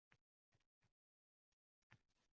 Nima